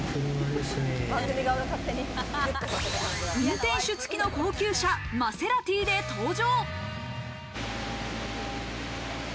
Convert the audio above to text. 運転手つきの高級車マセラティで登場。